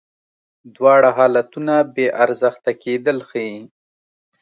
دواړه حالتونه بې ارزښته کېدل ښیې.